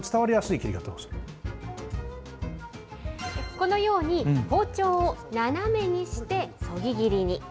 このように包丁を斜めにしてそぎ切りに。